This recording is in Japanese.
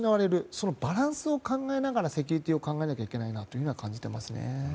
そのバランスを考えながらセキュリティーを考えなきゃいけないなと感じていますね。